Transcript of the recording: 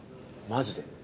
マジで？